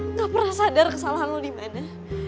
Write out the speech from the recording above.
nggak pernah sadar kesalahan lo dimana